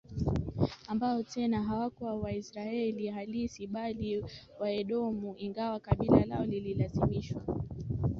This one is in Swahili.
ambao tena hawakuwa Waisraeli halisi bali Waedomu ingawa kabila lao lililazimishwa